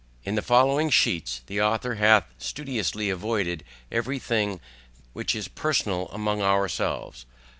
In the following sheets, the author hath studiously avoided every thing which is personal among ourselves.